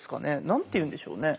何て言うんでしょうね。